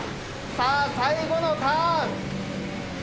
さあ最後のターン。